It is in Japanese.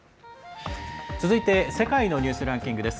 続いては「世界のニュースランキング」。